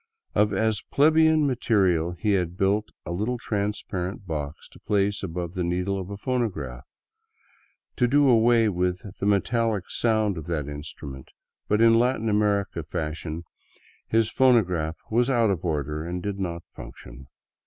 Of as plebeian materials he had built a little transparent box to place above the needle of a phonograph, to do away with the metallic sound of that instrument — but in Latin American fashion his phonograph was out of order and did not " function."